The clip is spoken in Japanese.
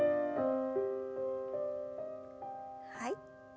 はい。